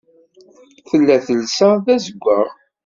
Tella telsa d azeggaɣ.